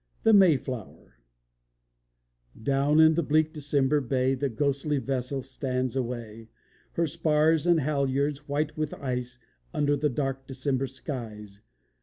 THE MAYFLOWER Down in the bleak December bay The ghostly vessel stands away; Her spars and halyards white with ice, Under the dark December skies.